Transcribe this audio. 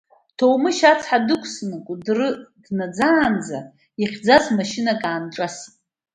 Ҭоумышь ацҳа даақәсны Кәыдры днаӡаанӡа, ихьӡаз машьынак аанҿасит.